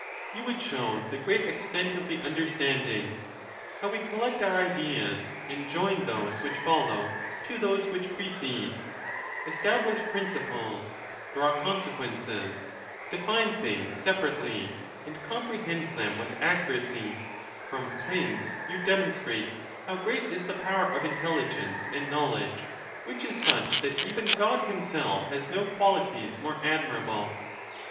You would show the great ex tent of the understanding ; how we collect our ideas, and join those which follow to those which precede; establish principles, draw consequences, define things separately, and comprehend them with accuracy; from whence you demonstrate how great is the power of intelligence and knowledge, which is such that even God himself has no qualities more admirable.